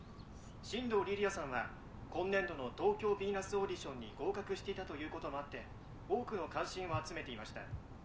新堂梨里杏さんは今年度の東京ヴィーナスオーディションに合格していたということもあって多くの関心を集めていました。